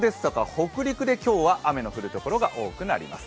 北陸で今日は雨の降るところが多くなります。